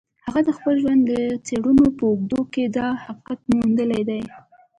هغه د خپل ژوند د څېړنو په اوږدو کې دا حقیقت موندلی دی